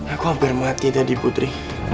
aku hampir mati tadi putri